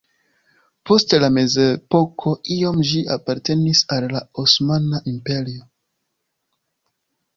Post la mezepoko iom ĝi apartenis al la Osmana Imperio.